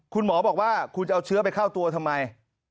คุณหมอบอกว่าคุณจะเอาเชื้อไปเข้าตัวทำไม